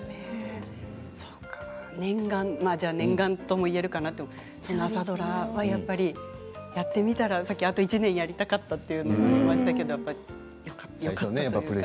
念願ともいえるかなという朝ドラはやっぱりやってみたら、さっきあと１年やりたかったと言っていましたけれどもよかったというか。